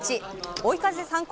追い風参考